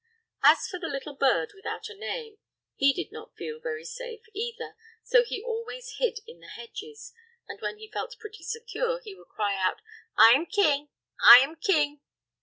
As for that little bird without a name, he did not feel very safe either, so he always hid in the hedges, and when he felt pretty secure he would cry out: "I am king! I am king!"